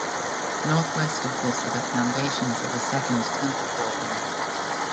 Northwest of this are the foundations of a second temple building.